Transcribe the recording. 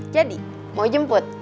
jadi mau jemput